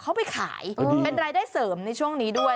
เขาไปขายเป็นรายได้เสริมในช่วงนี้ด้วย